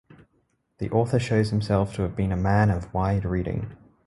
The author shows himself to have been a man of wide reading.